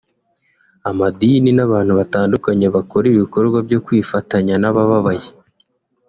amadini n’abantu batandukanye bakora ibikorwa byo kwifatanya n’abababaye